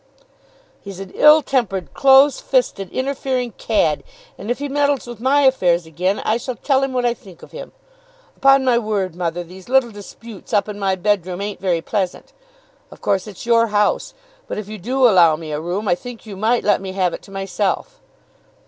"He's an ill tempered, close fisted, interfering cad, and if he meddles with my affairs again, I shall tell him what I think of him. Upon my word, mother, these little disputes up in my bedroom ain't very pleasant. Of course it's your house; but if you do allow me a room, I think you might let me have it to myself."